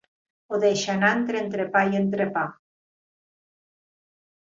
Ho deixa anar entre entrepà i entrepà.